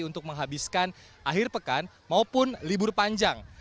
untuk menghabiskan akhir pekan maupun libur panjang